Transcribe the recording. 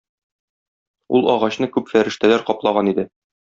Ул агачны күп фәрештәләр каплаган иде.